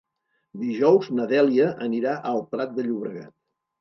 Dijous na Dèlia anirà al Prat de Llobregat.